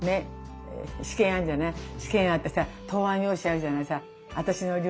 試験あってさ答案用紙あるじゃないさ。